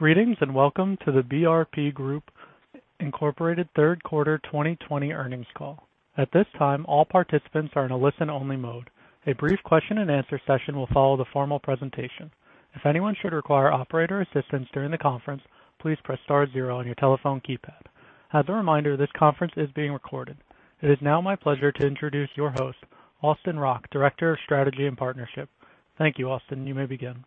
Greetings, welcome to the BRP Group Incorporated third quarter 2020 earnings call. At this time, all participants are in a listen-only mode. A brief question and answer session will follow the formal presentation. If anyone should require operator assistance during the conference, please press star zero on your telephone keypad. As a reminder, this conference is being recorded. It is now my pleasure to introduce your host, Austin Rock, Director of Strategy and Partnership. Thank you, Austin. You may begin.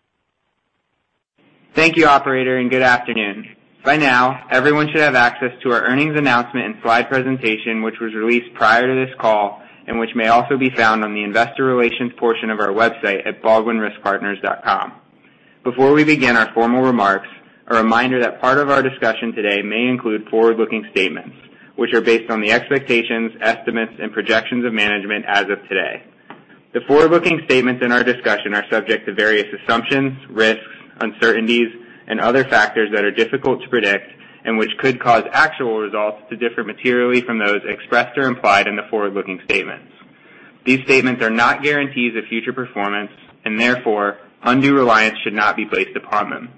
Thank you operator, good afternoon. By now, everyone should have access to our earnings announcement and slide presentation, which was released prior to this call, and which may also be found on the investor relations portion of our website at baldwinriskpartners.com. Before we begin our formal remarks, a reminder that part of our discussion today may include forward-looking statements, which are based on the expectations, estimates, and projections of management as of today. The forward-looking statements in our discussion are subject to various assumptions, risks, uncertainties, and other factors that are difficult to predict and which could cause actual results to differ materially from those expressed or implied in the forward-looking statements. These statements are not guarantees of future performance, and therefore, undue reliance should not be placed upon them.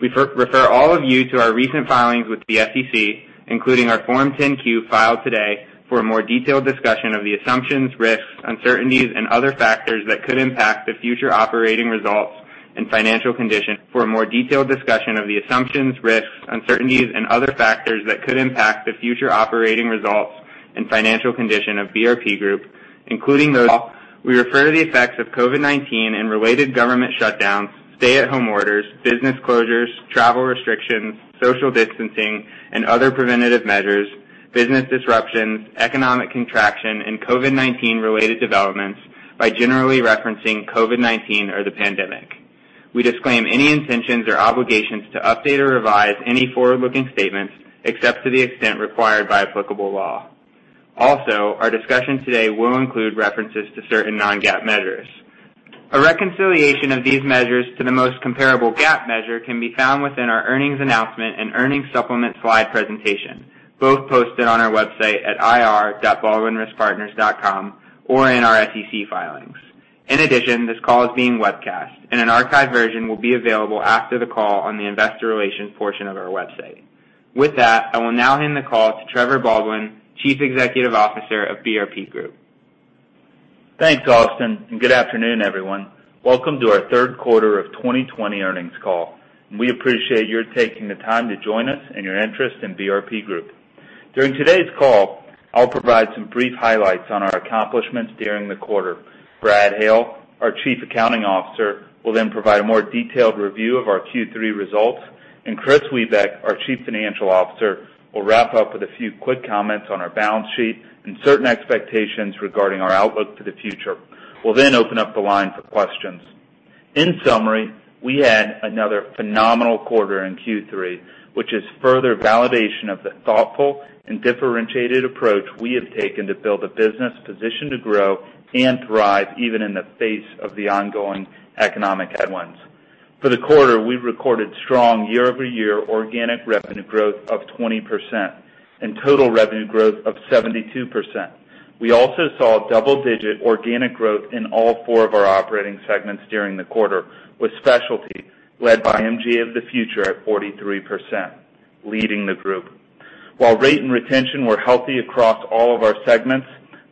We refer all of you to our recent filings with the SEC, including our Form 10-Q filed today, for a more detailed discussion of the assumptions, risks, uncertainties, and other factors that could impact the future operating results and financial condition. For a more detailed discussion of the assumptions, risks, uncertainties, and other factors that could impact the future operating results and financial condition of BRP Group, including those we refer to the effects of COVID-19 and related government shutdowns, stay-at-home orders, business closures, travel restrictions, social distancing, and other preventative measures, business disruptions, economic contraction, and COVID-19 related developments by generally referencing COVID-19 or the pandemic. We disclaim any intentions or obligations to update or revise any forward-looking statements, except to the extent required by applicable law. Also, our discussion today will include references to certain non-GAAP measures. A reconciliation of these measures to the most comparable GAAP measure can be found within our earnings announcement and earnings supplement slide presentation, both posted on our website at ir.baldwinriskpartners.com or in our SEC filings. In addition, this call is being webcast, and an archived version will be available after the call on the investor relations portion of our website. With that, I will now hand the call to Trevor Baldwin, Chief Executive Officer of BRP Group. Thanks, Austin, and good afternoon, everyone. Welcome to our third quarter of 2020 earnings call. We appreciate your taking the time to join us and your interest in BRP Group. During today's call, I will provide some brief highlights on our accomplishments during the quarter. Brad Hale, our Chief Accounting Officer, will then provide a more detailed review of our Q3 results, and Kris Wiebeck, our Chief Financial Officer, will wrap up with a few quick comments on our balance sheet and certain expectations regarding our outlook for the future. We will then open up the line for questions. In summary, we had another phenomenal quarter in Q3, which is further validation of the thoughtful and differentiated approach we have taken to build a business positioned to grow and thrive, even in the face of the ongoing economic headwinds. For the quarter, we recorded strong year-over-year organic revenue growth of 20% and total revenue growth of 72%. We also saw double-digit organic growth in all four of our operating segments during the quarter, with Specialty led by MGA of the Future at 43%, leading the group. While rate and retention were healthy across all of our segments,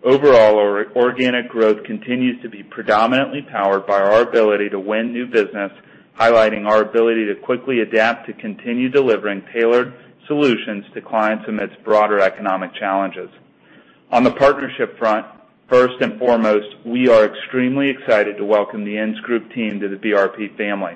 overall, our organic growth continues to be predominantly powered by our ability to win new business, highlighting our ability to quickly adapt to continue delivering tailored solutions to clients amidst broader economic challenges. On the partnership front, first and foremost, we are extremely excited to welcome the Insgroup team to the BRP family.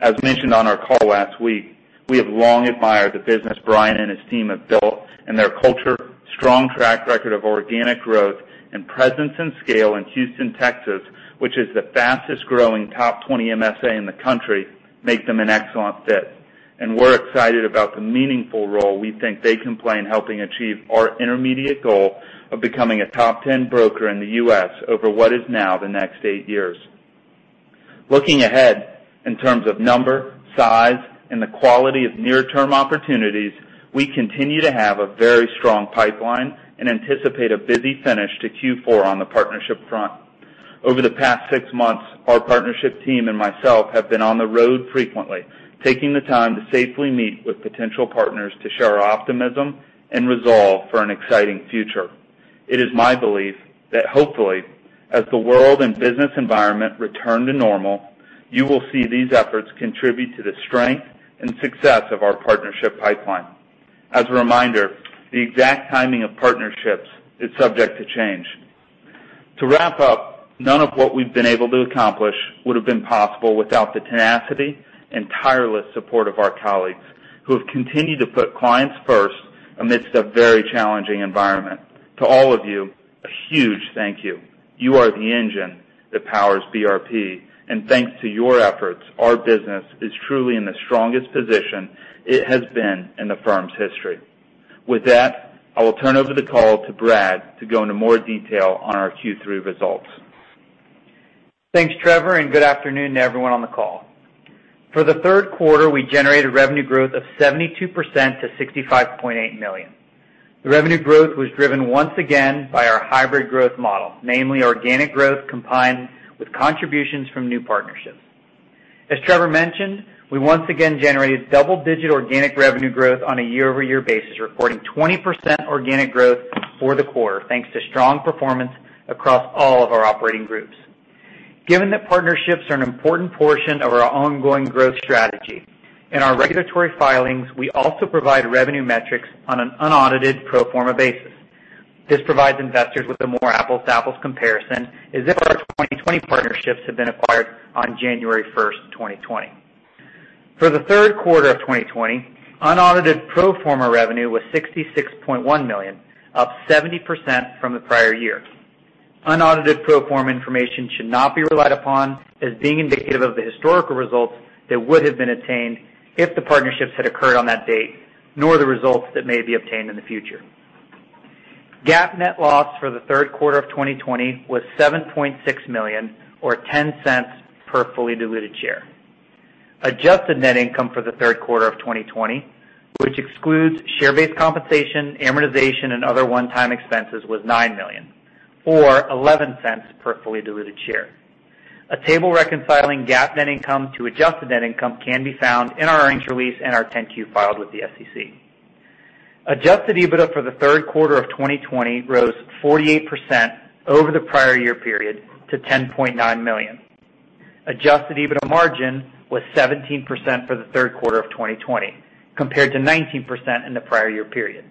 As mentioned on our call last week, we have long admired the business Brian and his team have built, their culture, strong track record of organic growth, and presence and scale in Houston, Texas, which is the fastest-growing top 20 MSA in the country, make them an excellent fit. We are excited about the meaningful role we think they can play in helping achieve our intermediate goal of becoming a top 10 broker in the U.S. over what is now the next eight years. Looking ahead in terms of number, size, and the quality of near-term opportunities, we continue to have a very strong pipeline and anticipate a busy finish to Q4 on the partnership front. Over the past six months, our partnership team and myself have been on the road frequently, taking the time to safely meet with potential partners to share our optimism and resolve for an exciting future. It is my belief that hopefully, as the world and business environment return to normal, you will see these efforts contribute to the strength and success of our partnership pipeline. As a reminder, the exact timing of partnerships is subject to change. To wrap up, none of what we have been able to accomplish would have been possible without the tenacity and tireless support of our colleagues, who have continued to put clients first amidst a very challenging environment. To all of you, a huge thank you. You are the engine that powers BRP, and thanks to your efforts, our business is truly in the strongest position it has been in the firm's history. With that, I will turn over the call to Brad to go into more detail on our Q3 results. Thanks, Trevor. Good afternoon to everyone on the call. For the third quarter, we generated revenue growth of 72% to $65.8 million. The revenue growth was driven once again by our hybrid growth model, namely organic growth combined with contributions from new partnerships. As Trevor mentioned, we once again generated double-digit organic revenue growth on a year-over-year basis, recording 20% organic growth for the quarter, thanks to strong performance across all of our operating groups. Given that partnerships are an important portion of our ongoing growth strategy, in our regulatory filings, we also provide revenue metrics on an unaudited pro forma basis. This provides investors with a more apples-to-apples comparison as if our 2020 partnerships had been acquired on January 1, 2020. For the third quarter of 2020, unaudited pro forma revenue was $66.1 million, up 70% from the prior year. Unaudited pro forma information should not be relied upon as being indicative of the historical results that would have been attained if the partnerships had occurred on that date, nor the results that may be obtained in the future. GAAP net loss for the third quarter of 2020 was $7.6 million, or $0.10 per fully diluted share. Adjusted net income for the third quarter of 2020, which excludes share-based compensation, amortization, and other one-time expenses, was $9 million or $0.11 per fully diluted share. A table reconciling GAAP net income to adjusted net income can be found in our earnings release and our 10-Q filed with the SEC. Adjusted EBITDA for the third quarter of 2020 rose 48% over the prior year period to $10.9 million. Adjusted EBITDA margin was 17% for the third quarter of 2020, compared to 19% in the prior year period.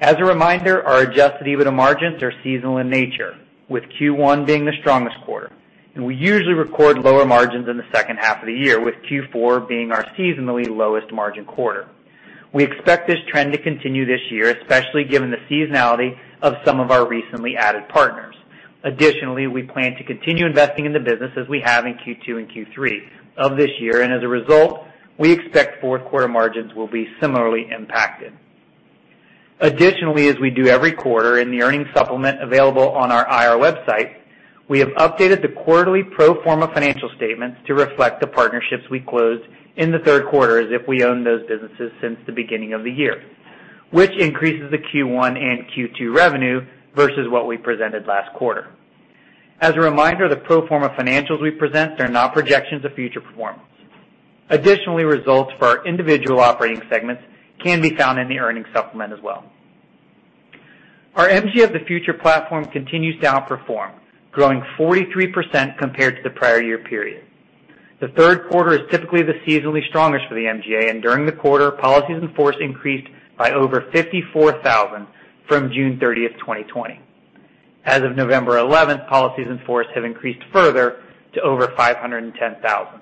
As a reminder, our adjusted EBITDA margins are seasonal in nature, with Q1 being the strongest quarter. We usually record lower margins in the second half of the year, with Q4 being our seasonally lowest margin quarter. We expect this trend to continue this year, especially given the seasonality of some of our recently added partners. Additionally, we plan to continue investing in the business as we have in Q2 and Q3 of this year. As a result, we expect fourth quarter margins will be similarly impacted. Additionally, as we do every quarter in the earnings supplement available on our IR website, we have updated the quarterly pro forma financial statements to reflect the partnerships we closed in the third quarter as if we owned those businesses since the beginning of the year, which increases the Q1 and Q2 revenue versus what we presented last quarter. As a reminder, the pro forma financials we present are not projections of future performance. Additionally, results for our individual operating segments can be found in the earnings supplement as well. Our MGA of the Future platform continues to outperform, growing 43% compared to the prior year period. The third quarter is typically the seasonally strongest for the MGA, and during the quarter, policies in force increased by over 54,000 from June 30th, 2020. As of November 11th, policies in force have increased further to over 510,000.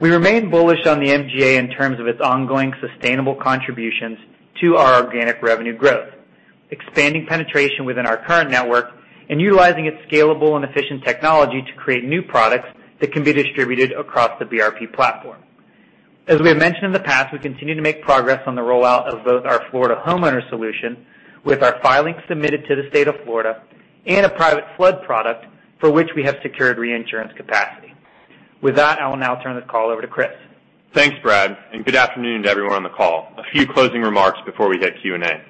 We remain bullish on the MGA in terms of its ongoing sustainable contributions to our organic revenue growth, expanding penetration within our current network, and utilizing its scalable and efficient technology to create new products that can be distributed across the BRP platform. As we have mentioned in the past, we continue to make progress on the rollout of both our Florida homeowner solution with our filings submitted to the state of Florida and a private flood product for which we have secured reinsurance capacity. With that, I will now turn the call over to Kris. Thanks, Brad, good afternoon to everyone on the call. A few closing remarks before we hit Q&A.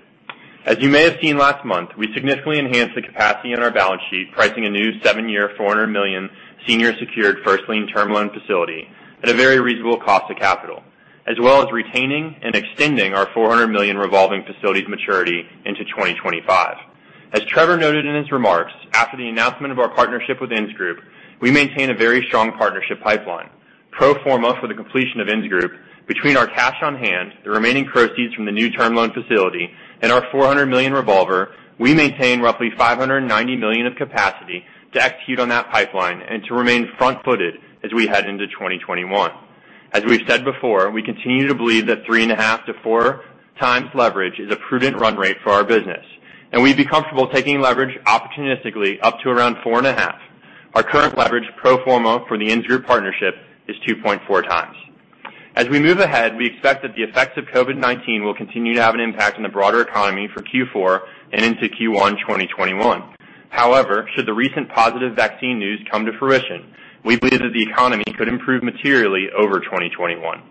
As you may have seen last month, we significantly enhanced the capacity on our balance sheet, pricing a new seven-year, $400 million senior secured first lien term loan facility at a very reasonable cost of capital, as well as retaining and extending our $400 million revolving facilities maturity into 2025. As Trevor noted in his remarks, after the announcement of our partnership with Insgroup, we maintain a very strong partnership pipeline. Pro forma for the completion of Insgroup, between our cash on hand, the remaining proceeds from the new term loan facility, and our $400 million revolver, we maintain roughly $590 million of capacity to execute on that pipeline and to remain front-footed as we head into 2021. As we've said before, we continue to believe that three and a half to four times leverage is a prudent run rate for our business, and we'd be comfortable taking leverage opportunistically up to around four and a half. Our current leverage pro forma for the Insgroup partnership is 2.4x. As we move ahead, we expect that the effects of COVID-19 will continue to have an impact on the broader economy for Q4 and into Q1 2021. However, should the recent positive vaccine news come to fruition, we believe that the economy could improve materially over 2021.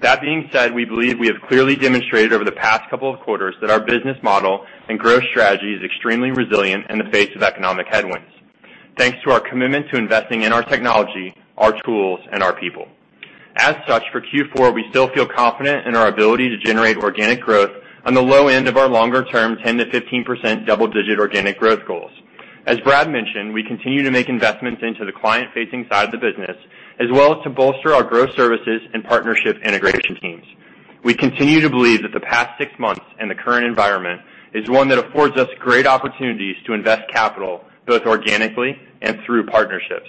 That being said, we believe we have clearly demonstrated over the past couple of quarters that our business model and growth strategy is extremely resilient in the face of economic headwinds, thanks to our commitment to investing in our technology, our tools, and our people. As such, for Q4, we still feel confident in our ability to generate organic growth on the low end of our longer-term 10%-15% double-digit organic growth goals. As Brad mentioned, we continue to make investments into the client-facing side of the business, as well as to bolster our growth services and partnership integration teams. We continue to believe that the past six months and the current environment is one that affords us great opportunities to invest capital both organically and through partnerships.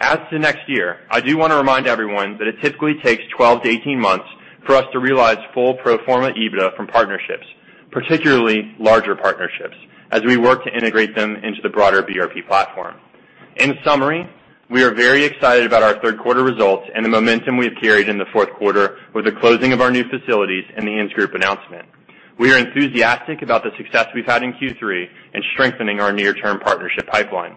As to next year, I do want to remind everyone that it typically takes 12-18 months for us to realize full pro forma EBITDA from partnerships, particularly larger partnerships, as we work to integrate them into the broader BRP platform. In summary, we are very excited about our third quarter results and the momentum we have carried in the fourth quarter with the closing of our new facilities and the Insgroup announcement. We are enthusiastic about the success we've had in Q3 and strengthening our near-term partnership pipeline.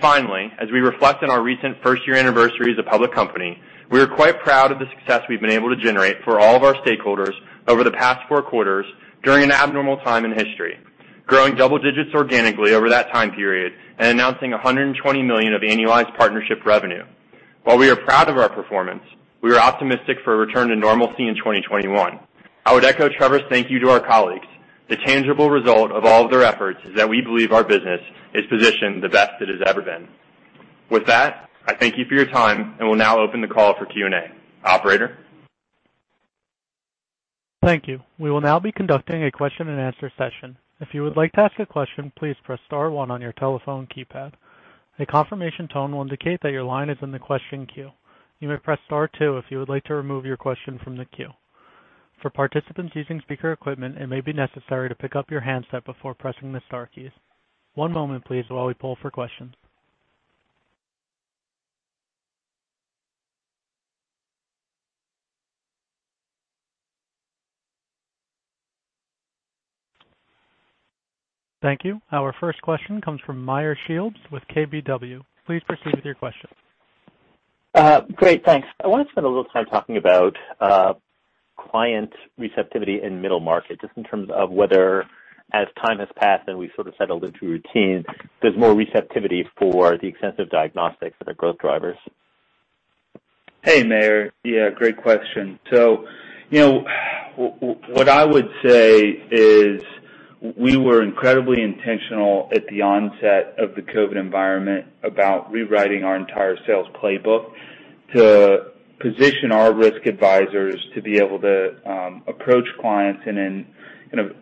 Finally, as we reflect on our recent first-year anniversary as a public company, we are quite proud of the success we've been able to generate for all of our stakeholders over the past four quarters during an abnormal time in history, growing double digits organically over that time period and announcing $120 million of annualized partnership revenue. While we are proud of our performance, we are optimistic for a return to normalcy in 2021. I would echo Trevor's thank you to our colleagues. The tangible result of all of their efforts is that we believe our business is positioned the best it has ever been. With that, I thank you for your time and will now open the call for Q&A. Operator? Thank you. We will now be conducting a question and answer session. If you would like to ask a question, please press star one on your telephone keypad. A confirmation tone will indicate that your line is in the question queue. You may press star two if you would like to remove your question from the queue. For participants using speaker equipment, it may be necessary to pick up your handset before pressing the star keys. One moment, please, while we pull for questions. Thank you. Our first question comes from Meyer Shields with KBW. Please proceed with your question. Great, thanks. I want to spend a little time talking about client receptivity in middle market, just in terms of whether as time has passed and we've sort of settled into a routine, there's more receptivity for the extensive diagnostics for the growth drivers. Hey, Meyer. Yeah, great question. What I would say is we were incredibly intentional at the onset of the COVID environment about rewriting our entire sales playbook to position our risk advisors to be able to approach clients in an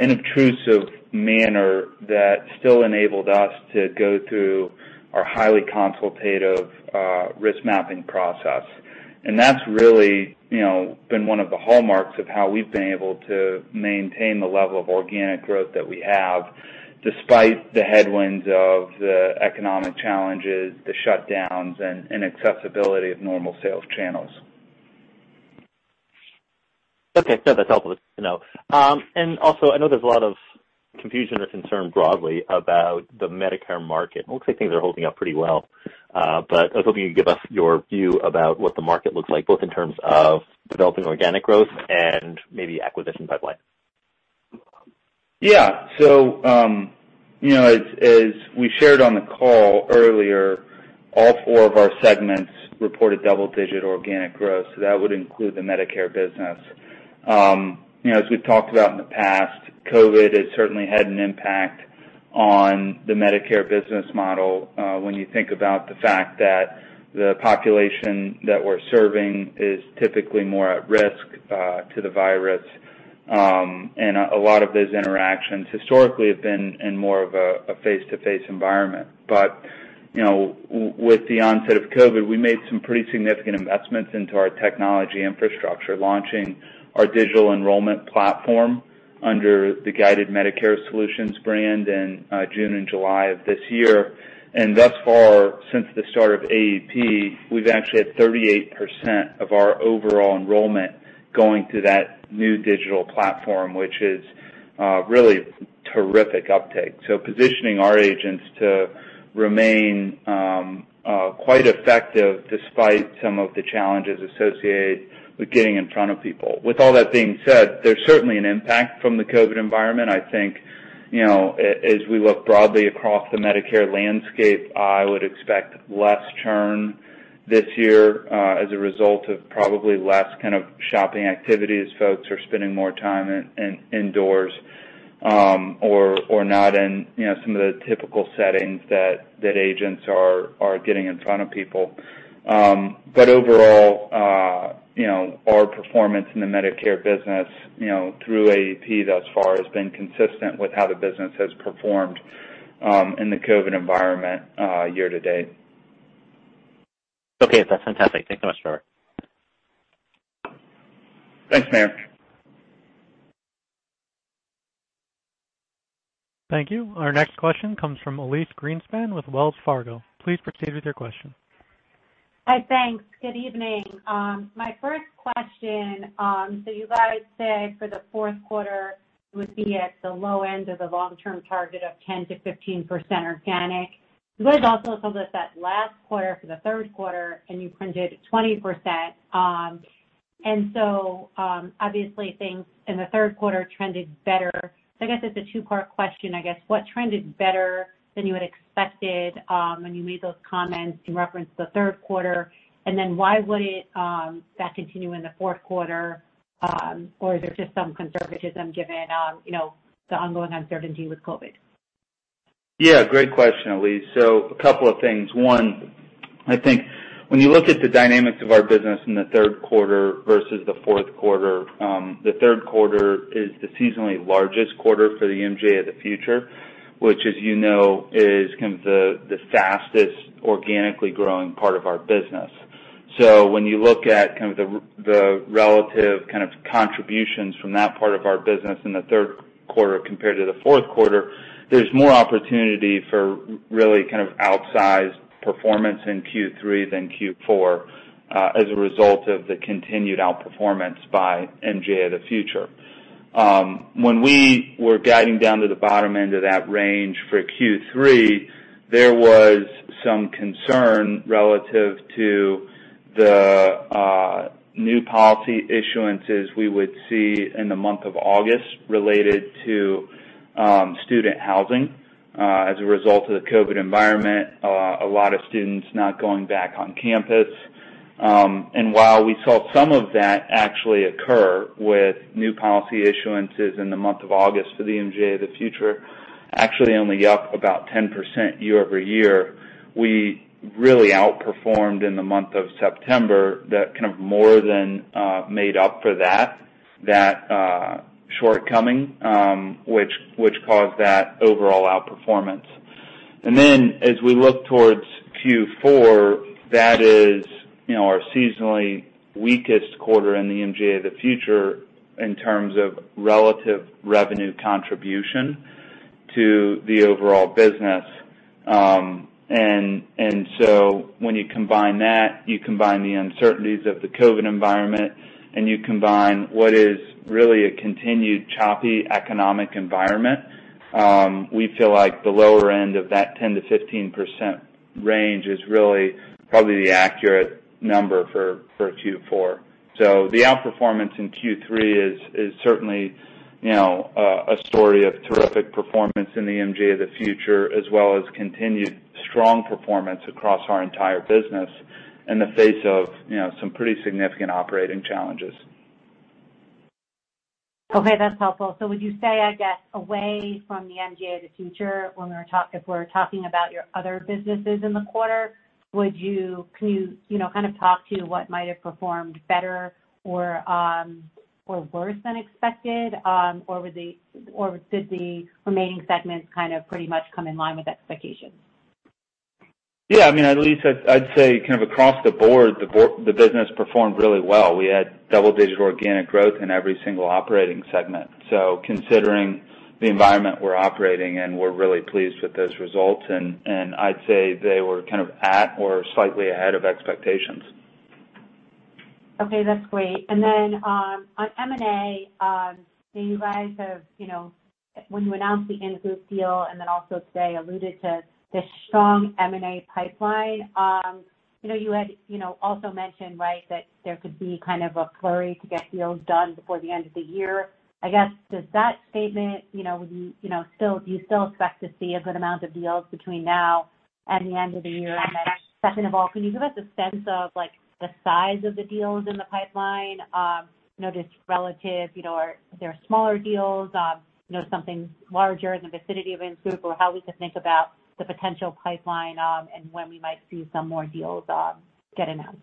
unobtrusive manner that still enabled us to go through our highly consultative risk mapping process. That's really been one of the hallmarks of how we've been able to maintain the level of organic growth that we have, despite the headwinds of the economic challenges, the shutdowns, and inaccessibility of normal sales channels. Okay. No, that's helpful to know. Also, I know there's a lot of confusion or concern broadly about the Medicare market. It looks like things are holding up pretty well. I was hoping you could give us your view about what the market looks like, both in terms of developing organic growth and maybe acquisition pipeline. Yeah. As we shared on the call earlier, all four of our segments reported double-digit organic growth. That would include the Medicare business. As we've talked about in the past, COVID has certainly had an impact on the Medicare business model, when you think about the fact that the population that we're serving is typically more at risk to the virus. A lot of those interactions historically have been in more of a face-to-face environment. With the onset of COVID, we made some pretty significant investments into our technology infrastructure, launching our digital enrollment platform under the Guided Medicare Solutions brand in June and July of this year. Thus far, since the start of AEP, we've actually had 38% of our overall enrollment going to that new digital platform, which is really terrific uptake. Positioning our agents to remain quite effective despite some of the challenges associated with getting in front of people. With all that being said, there's certainly an impact from the COVID environment. I think as we look broadly across the Medicare landscape, I would expect less churn this year as a result of probably less kind of shopping activity as folks are spending more time indoors or not in some of the typical settings that agents are getting in front of people. Overall, our performance in the Medicare business through AEP thus far has been consistent with how the business has performed in the COVID environment year to date. Okay. That's fantastic. Thanks so much, Trevor. Thanks, Meyer. Thank you. Our next question comes from Elyse Greenspan with Wells Fargo. Please proceed with your question. Hi, thanks. Good evening. My first question, you guys said for the fourth quarter would be at the low end of the long-term target of 10%-15% organic. You guys also told us that last quarter for the third quarter, you printed 20%. Obviously things in the third quarter trended better. I guess it's a two-part question, I guess. What trended better than you had expected when you made those comments in reference to the third quarter? Why wouldn't that continue in the fourth quarter? Is there just some conservatism given the ongoing uncertainty with COVID-19? Yeah, great question, Elyse. A couple of things. One, I think when you look at the dynamics of our business in the third quarter versus the fourth quarter, the third quarter is the seasonally largest quarter for the MGA of the Future, which as you know, is the fastest organically growing part of our business. When you look at the relative contributions from that part of our business in the third quarter compared to the fourth quarter, there's more opportunity for really outsized performance in Q3 than Q4 as a result of the continued outperformance by MGA of the Future. When we were guiding down to the bottom end of that range for Q3, there was some concern relative to the new policy issuances we would see in the month of August related to student housing as a result of the COVID-19 environment, a lot of students not going back on campus. While we saw some of that actually occur with new policy issuances in the month of August for the MGA of the Future, actually only up about 10% year-over-year. We really outperformed in the month of September, that more than made up for that shortcoming, which caused that overall outperformance. As we look towards Q4, that is our seasonally weakest quarter in the MGA of the Future in terms of relative revenue contribution to the overall business. When you combine that, you combine the uncertainties of the COVID-19 environment, and you combine what is really a continued choppy economic environment, we feel like the lower end of that 10%-15% range is really probably the accurate number for Q4. The outperformance in Q3 is certainly a story of terrific performance in the MGA of the Future, as well as continued strong performance across our entire business in the face of some pretty significant operating challenges. Okay, that's helpful. Would you say, I guess, away from the MGA of the Future, if we're talking about your other businesses in the quarter, can you talk to what might have performed better or worse than expected? Or did the remaining segments pretty much come in line with expectations? Yeah, I mean, Elyse, I'd say kind of across the board, the business performed really well. We had double-digit organic growth in every single operating segment. Considering the environment we're operating in, we're really pleased with those results, and I'd say they were at or slightly ahead of expectations. Okay, that's great. On M&A, when you announced the Insgroup deal and also today alluded to the strong M&A pipeline, you had also mentioned that there could be a flurry to get deals done before the end of the year. I guess, does that statement, do you still expect to see a good amount of deals between now and the end of the year? Second of all, can you give us a sense of the size of the deals in the pipeline? Just relative, are there smaller deals, something larger in the vicinity of Insgroup, or how we could think about the potential pipeline, and when we might see some more deals get announced?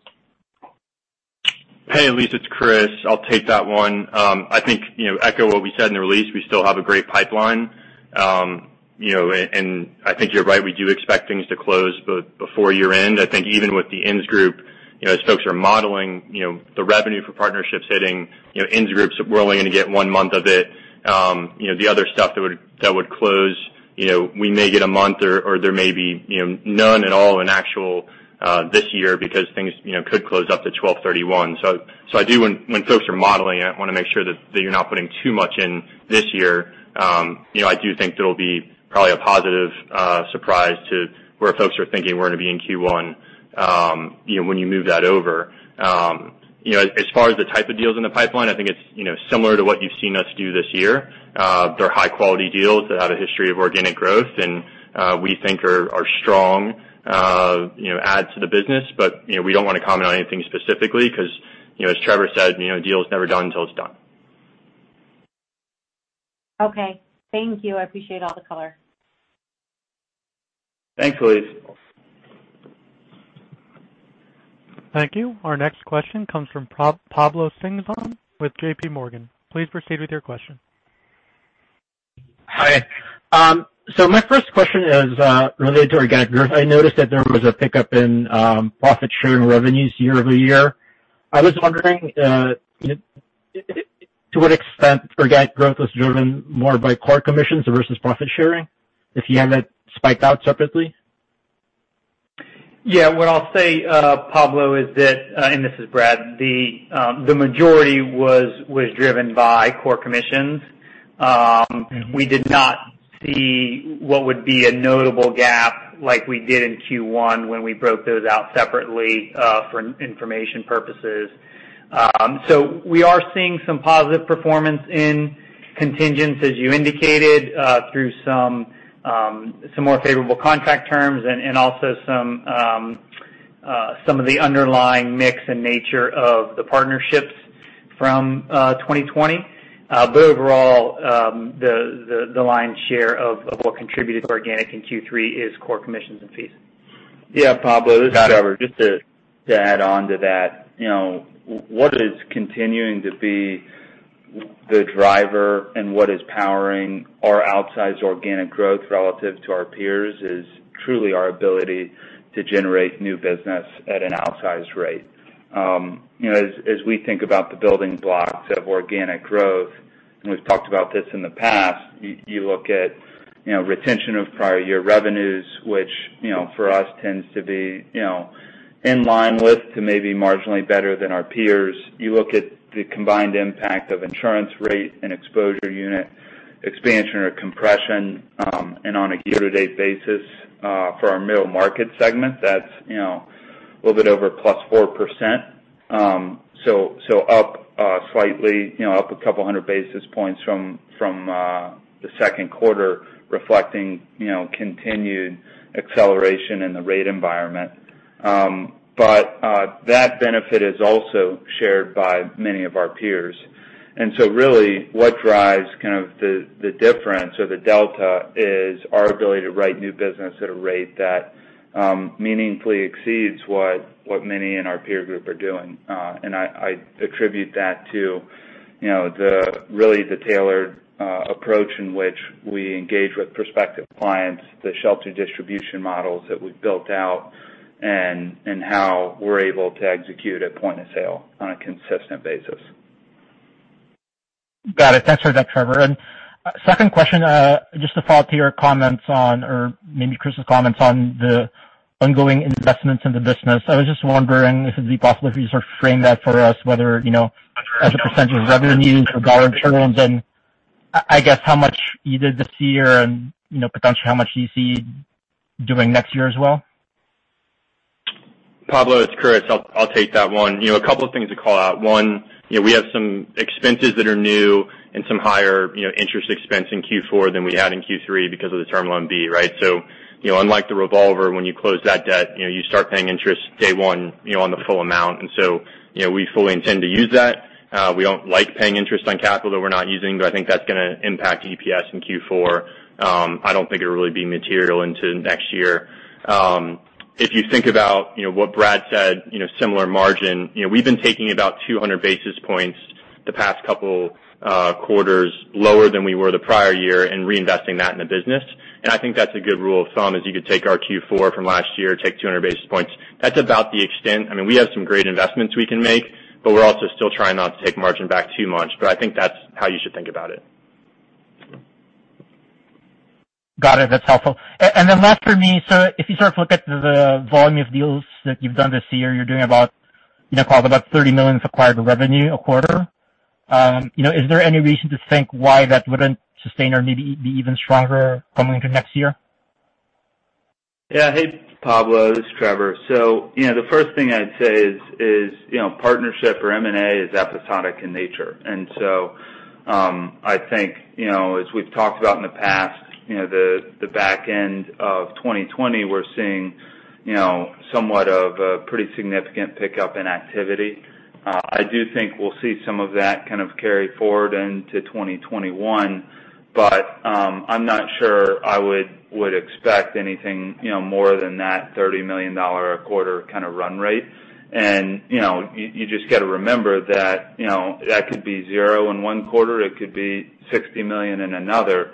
Hey, Elise, it's Kris. I'll take that one. I think, echo what we said in the release, we still have a great pipeline. I think you're right, we do expect things to close before year-end. I think even with the Insgroup, as folks are modeling the revenue for partnerships hitting, Insgroup's willing to get one month of it. The other stuff that would close, we may get a month or there may be none at all in actual this year because things could close up to 12/31. When folks are modeling it, I want to make sure that you're not putting too much in this year. I do think there'll be probably a positive surprise to where folks are thinking we're going to be in Q1 when you move that over. As far as the type of deals in the pipeline, I think it's similar to what you've seen us do this year. They're high-quality deals that have a history of organic growth, and we think are strong adds to the business. We don't want to comment on anything specifically, because as Trevor said, a deal is never done until it's done. Okay. Thank you. I appreciate all the color. Thanks, Elyse. Thank you. Our next question comes from Pablo Singzon with JPMorgan. Please proceed with your question. Hi. My first question is related to organic growth. I noticed that there was a pickup in profit-sharing revenues year-over-year. I was wondering to what extent organic growth was driven more by core commissions versus profit sharing, if you have that spiked out separately. What I'll say, Pablo, is that, this is Brad, the majority was driven by core commissions. We did not see what would be a notable gap like we did in Q1 when we broke those out separately for information purposes. We are seeing some positive performance in contingents, as you indicated, through some more favorable contract terms and also some of the underlying mix and nature of the partnerships from 2020. Overall, the lion's share of what contributed to organic in Q3 is core commissions and fees. Pablo, this is Trevor. Just to add on to that. What is continuing to be the driver and what is powering our outsized organic growth relative to our peers is truly our ability to generate new business at an outsized rate. As we think about the building blocks of organic growth, and we've talked about this in the past, you look at retention of prior year revenues, which for us tends to be In line with to maybe marginally better than our peers. You look at the combined impact of insurance rate and exposure unit expansion or compression, and on a year-to-date basis, for our middle market segment, that's a little bit over +4%. Up slightly, up a couple of hundred basis points from the second quarter, reflecting continued acceleration in the rate environment. That benefit is also shared by many of our peers. Really what drives kind of the difference or the delta is our ability to write new business at a rate that meaningfully exceeds what many in our peer group are doing. I attribute that to really the tailored approach in which we engage with prospective clients, the shelter distribution models that we've built out, and how we're able to execute at point of sale on a consistent basis. Got it. Thanks for that, Trevor. Second question, just to follow to your comments on or maybe Kris's comments on the ongoing investments in the business. I was just wondering if it'd be possible for you to sort of frame that for us, whether, as a percentage of revenue needed for guardrails, and I guess how much you did this year and, potentially how much you see doing next year as well? Pablo, it's Kris. I'll take that one. A couple of things to call out. One, we have some expenses that are new and some higher interest expense in Q4 than we had in Q3 because of the Term Loan B, right? Unlike the revolver, when you close that debt, you start paying interest day one on the full amount. We fully intend to use that. We don't like paying interest on capital that we're not using, but I think that's going to impact EPS in Q4. I don't think it'll really be material into next year. If you think about what Brad said, similar margin. We've been taking about 200 basis points the past couple quarters lower than we were the prior year and reinvesting that in the business. I think that's a good rule of thumb is you could take our Q4 from last year, take 200 basis points. That's about the extent. I mean, we have some great investments we can make, but we're also still trying not to take margin back too much. I think that's how you should think about it. Got it. That's helpful. Last for me, if you sort of look at the volume of deals that you've done this year, you're doing about $30 million of acquired revenue a quarter. Is there any reason to think why that wouldn't sustain or maybe be even stronger coming into next year? Yeah. Hey, Pablo, this is Trevor. The first thing I'd say is partnership or M&A is episodic in nature. I think, as we've talked about in the past, the back end of 2020, we're seeing somewhat of a pretty significant pickup in activity. I do think we'll see some of that kind of carry forward into 2021, I'm not sure I would expect anything more than that $30 million a quarter kind of run rate. You just got to remember that that could be zero in one quarter, it could be $60 million in another.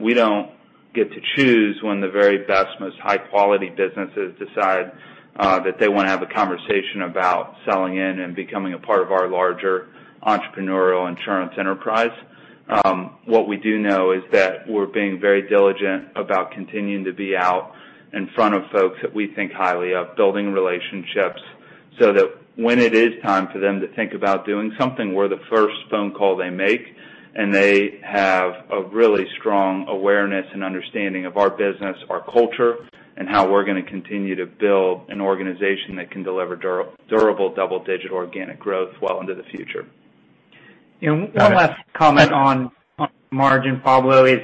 We don't get to choose when the very best, most high-quality businesses decide that they want to have a conversation about selling in and becoming a part of our larger entrepreneurial insurance enterprise. What we do know is that we're being very diligent about continuing to be out in front of folks that we think highly of, building relationships, so that when it is time for them to think about doing something, we're the first phone call they make, and they have a really strong awareness and understanding of our business, our culture, and how we're going to continue to build an organization that can deliver durable double-digit organic growth well into the future. Got it. One last comment on margin, Pablo, is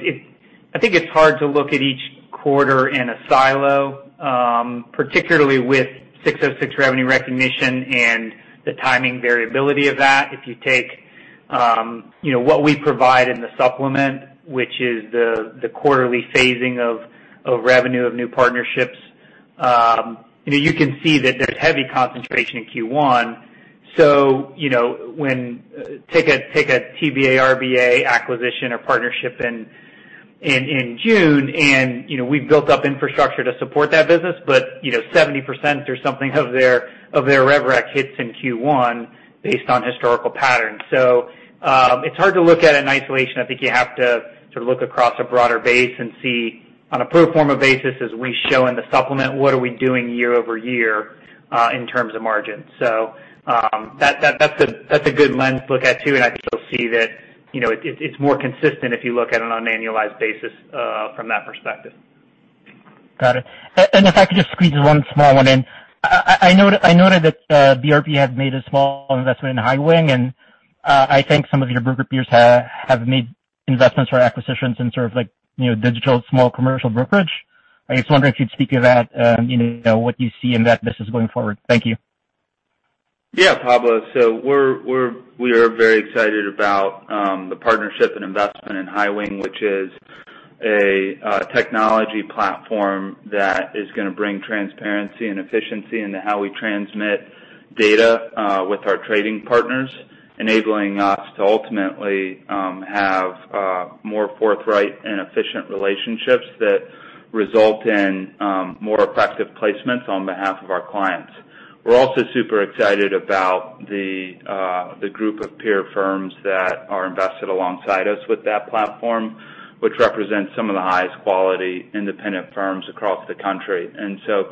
I think it's hard to look at each quarter in a silo, particularly with 606 revenue recognition and the timing variability of that. If you take what we provide in the supplement, which is the quarterly phasing of revenue of new partnerships. You can see that there's heavy concentration in Q1. When take a TBA, RBA acquisition or partnership in June and we've built up infrastructure to support that business. 70% or something of their rev rec hits in Q1 based on historical patterns. It's hard to look at it in isolation. I think you have to sort of look across a broader base and see on a pro forma basis as we show in the supplement, what are we doing year-over-year in terms of margin. That's a good lens to look at too, and I think you'll see that it's more consistent if you look at it on an annualized basis from that perspective. Got it. If I could just squeeze one small one in. I noted that BRP has made a small investment in Highwing, and I think some of your group peers have made investments or acquisitions in sort of like digital small commercial brokerage. I was wondering if you'd speak to that, what you see in that business going forward. Thank you. Pablo. We are very excited about the partnership and investment in Highwing, which is a technology platform that is going to bring transparency and efficiency into how we transmit data with our trading partners, enabling us to ultimately have more forthright and efficient relationships that result in more effective placements on behalf of our clients. We're also super excited about the group of peer firms that are invested alongside us with that platform, which represents some of the highest quality independent firms across the country.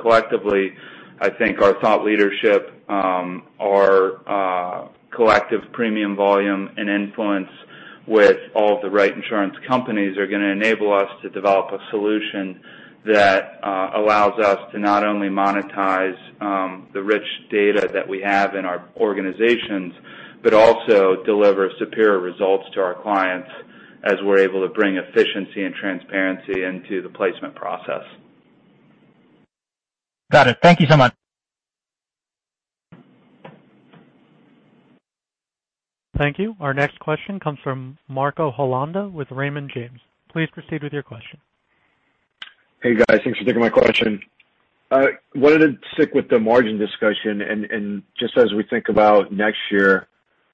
Collectively, I think our thought leadership, our collective premium volume, and influence with all of the right insurance companies are going to enable us to develop a solution that allows us to not only monetize the rich data that we have in our organizations, but also deliver superior results to our clients as we're able to bring efficiency and transparency into the placement process. Got it. Thank you so much. Thank you. Our next question comes from Marcos Holanda with Raymond James. Please proceed with your question. Hey, guys. Thanks for taking my question. I wanted to stick with the margin discussion. Just as we think about next year,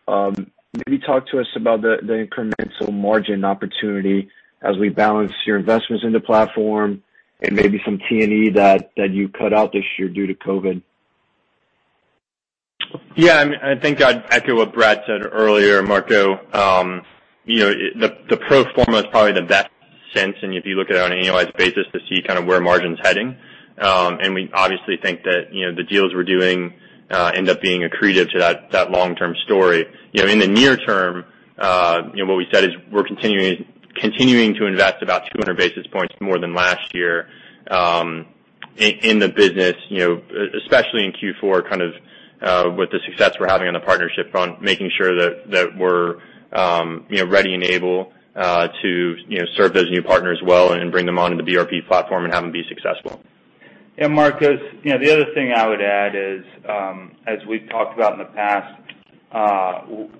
maybe talk to us about the incremental margin opportunity as we balance your investments in the platform and maybe some T&E that you cut out this year due to COVID-19. Yeah, I think I'd echo what Brad said earlier, Marcos. The pro forma is probably the best sense. If you look at it on an annualized basis to see kind of where margin's heading. We obviously think that the deals we're doing end up being accretive to that long-term story. In the near term, what we said is we're continuing to invest about 200 basis points more than last year in the business, especially in Q4, kind of with the success we're having on the partnership front, making sure that we're ready and able to serve those new partners well and bring them onto the BRP platform and have them be successful. Marcos, the other thing I would add is, as we've talked about in the past,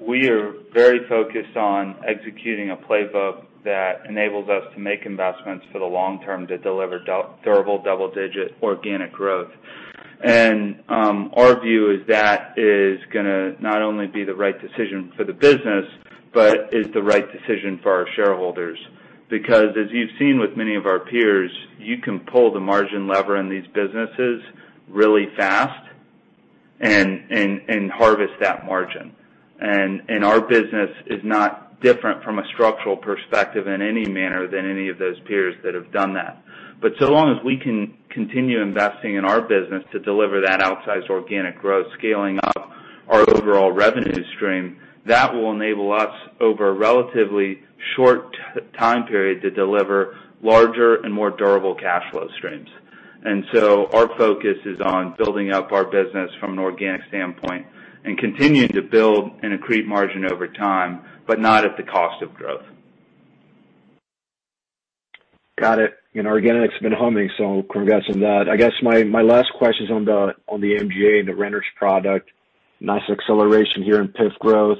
we are very focused on executing a playbook that enables us to make investments for the long term to deliver durable double-digit organic growth. Our view is that is going to not only be the right decision for the business, but is the right decision for our shareholders. Because as you've seen with many of our peers, you can pull the margin lever in these businesses really fast and harvest that margin. Our business is not different from a structural perspective in any manner than any of those peers that have done that. So long as we can continue investing in our business to deliver that outsized organic growth, scaling up our overall revenue stream, that will enable us over a relatively short time period to deliver larger and more durable cash flow streams. Our focus is on building up our business from an organic standpoint and continuing to build and accrete margin over time, but not at the cost of growth. Got it. Organic's been humming, congrats on that. I guess my last question's on the MGA and the renters product. Nice acceleration here in PIF growth.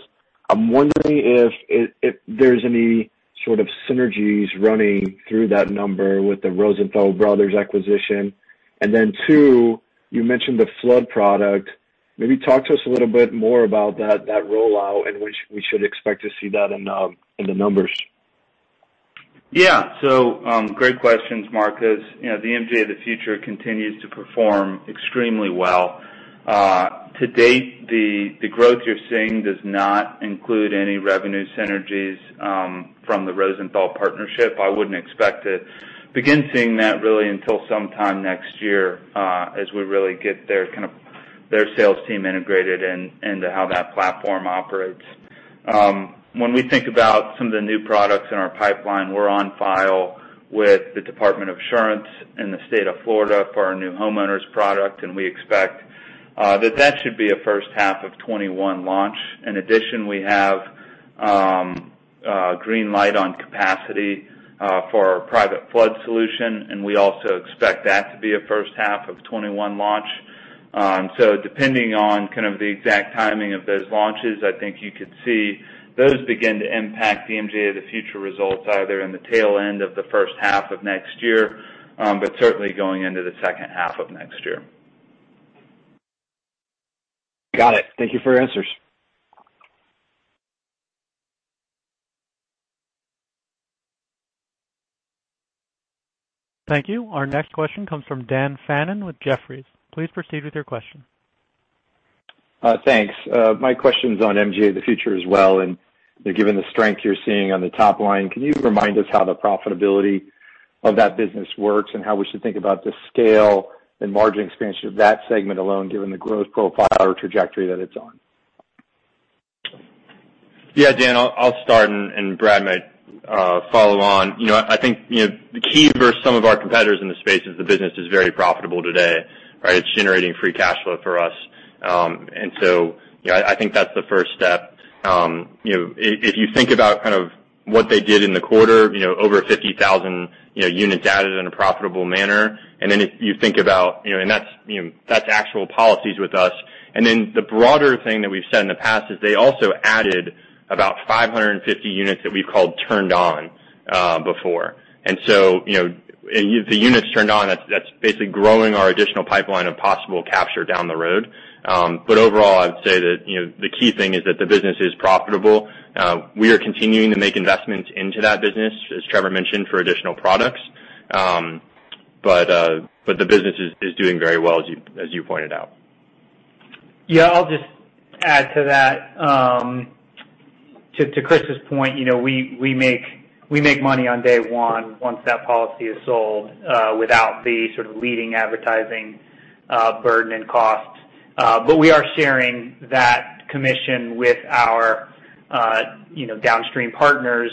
I'm wondering if there's any sort of synergies running through that number with the Rosenthal Brothers acquisition. 2, you mentioned the flood product. Maybe talk to us a little bit more about that rollout and when we should expect to see that in the numbers. Great questions, Marco. The MGA of the Future continues to perform extremely well. To date, the growth you're seeing does not include any revenue synergies from the Rosenthal partnership. I wouldn't expect to begin seeing that really until sometime next year, as we really get their sales team integrated into how that platform operates. When we think about some of the new products in our pipeline, we're on file with the Department of Insurance in the state of Florida for our new homeowners product, and we expect that that should be a first half of 2021 launch. In addition, we have green light on capacity for our private flood solution, and we also expect that to be a first half of 2021 launch. Depending on kind of the exact timing of those launches, I think you could see those begin to impact the MGA of the Future results either in the tail end of the first half of next year, but certainly going into the second half of next year. Got it. Thank you for your answers. Thank you. Our next question comes from Dan Fannon with Jefferies. Please proceed with your question. Thanks. My question's on MGA of the Future as well, and given the strength you're seeing on the top line, can you remind us how the profitability of that business works and how we should think about the scale and margin expansion of that segment alone given the growth profile or trajectory that it's on? Dan, I'll start and Brad might follow on. I think the key versus some of our competitors in the space is the business is very profitable today, right? It's generating free cash flow for us. I think that's the first step. If you think about kind of what they did in the quarter, over 50,000 units added in a profitable manner. That's actual policies with us. The broader thing that we've said in the past is they also added about 550 units that we've called turned on before. The units turned on, that's basically growing our additional pipeline of possible capture down the road. Overall, I'd say that the key thing is that the business is profitable. We are continuing to make investments into that business, as Trevor mentioned, for additional products. The business is doing very well, as you pointed out. I'll just add to that. To Kris's point, we make money on day one once that policy is sold, without the sort of leading advertising burden and costs. We are sharing that commission with our downstream partners,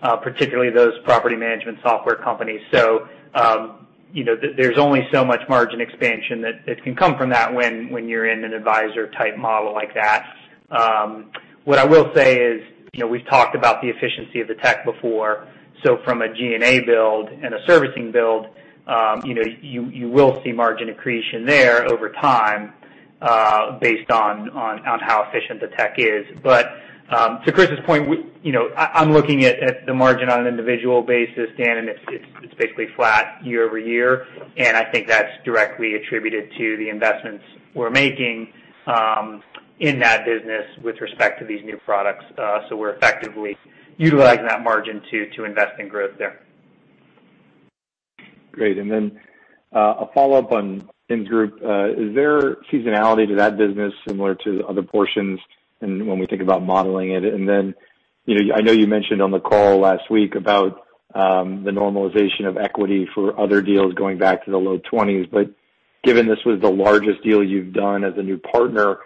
particularly those property management software companies. There's only so much margin expansion that can come from that when you're in an advisor-type model like that. What I will say is, we've talked about the efficiency of the tech before. From a G&A build and a servicing build, you will see margin accretion there over time, based on how efficient the tech is. To Kris's point, I'm looking at the margin on an individual basis, Dan, and it's basically flat year-over-year, and I think that's directly attributed to the investments we're making in that business with respect to these new products. We're effectively utilizing that margin to invest in growth there. Great. A follow-up on Insgroup. Is there seasonality to that business similar to other portions and when we think about modeling it? I know you mentioned on the call last week about the normalization of equity for other deals going back to the low 20s. Given this was the largest deal you've done as a new partner,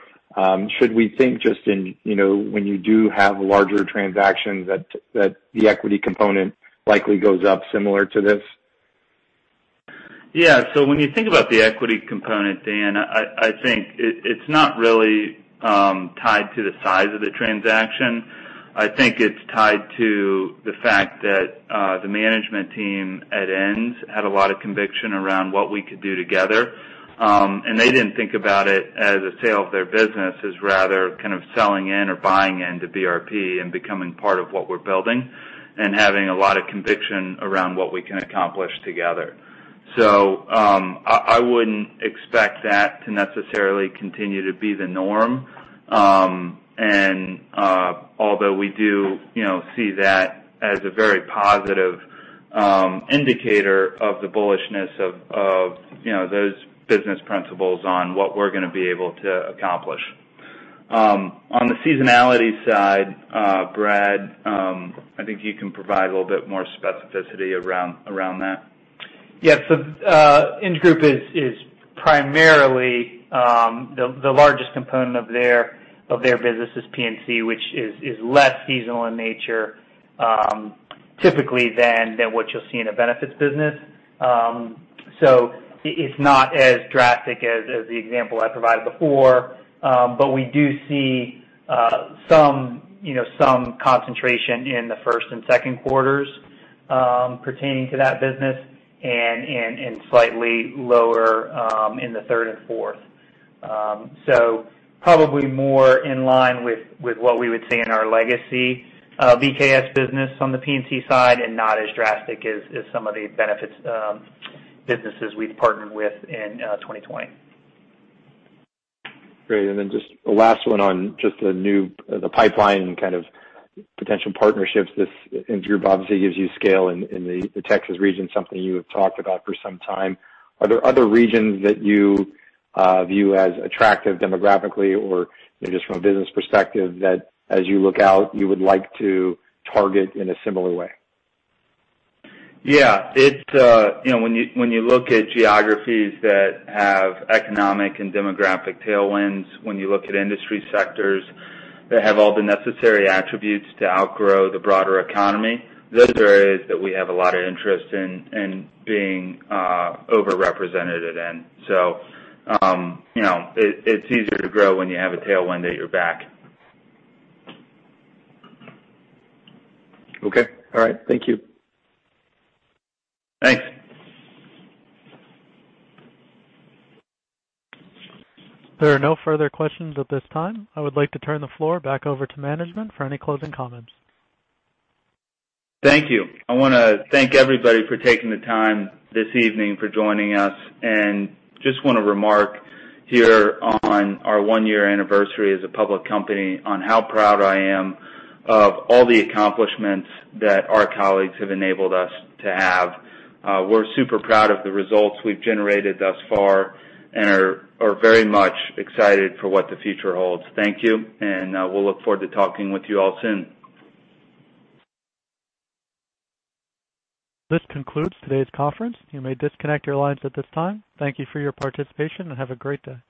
should we think just in, when you do have larger transactions that the equity component likely goes up similar to this? Yeah. When you think about the equity component, Dan, I think it's not really tied to the size of the transaction. I think it's tied to the fact that, the management team at Insgroup had a lot of conviction around what we could do together. They didn't think about it as a sale of their business as rather kind of selling in or buying into BRP and becoming part of what we're building and having a lot of conviction around what we can accomplish together. I wouldn't expect that to necessarily continue to be the norm. Although we do see that as a very positive indicator of the bullishness of those business principles on what we're going to be able to accomplish. On the seasonality side, Brad, I think you can provide a little bit more specificity around that. Yeah. Insgroup is primarily, the largest component of their business is P&C, which is less seasonal in nature, typically than what you'll see in a benefits business. It's not as drastic as the example I provided before. We do see some concentration in the first and second quarters pertaining to that business and slightly lower in the third and fourth. Probably more in line with what we would see in our legacy BKS business on the P&C side and not as drastic as some of the benefits businesses we've partnered with in 2020. Great. Just the last one on just the new pipeline kind of potential partnerships. This Insgroup obviously gives you scale in the Texas region, something you have talked about for some time. Are there other regions that you view as attractive demographically or just from a business perspective that as you look out, you would like to target in a similar way? Yeah. When you look at geographies that have economic and demographic tailwinds, when you look at industry sectors that have all the necessary attributes to outgrow the broader economy, those are areas that we have a lot of interest in being over-represented in. It's easier to grow when you have a tailwind at your back. Okay. All right. Thank you. Thanks. There are no further questions at this time. I would like to turn the floor back over to management for any closing comments. Thank you. I want to thank everybody for taking the time this evening for joining us, just want to remark here on our one-year anniversary as a public company on how proud I am of all the accomplishments that our colleagues have enabled us to have. We're super proud of the results we've generated thus far and are very much excited for what the future holds. Thank you, and we'll look forward to talking with you all soon. This concludes today's conference. You may disconnect your lines at this time. Thank you for your participation, and have a great day.